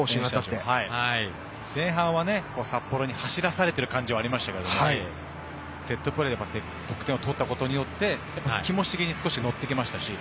前半は札幌に走らされてる感じはありましたがセットプレーで点を取ったことで気持ち的に少し乗ってきましたし